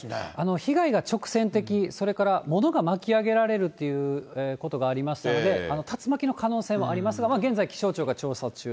被害が直線的、それから物が巻き上げられるということがありますので、竜巻の可能性もありますが、現在、気象庁が調査中。